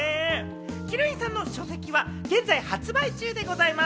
鬼龍院さんの書籍は現在発売中でございます。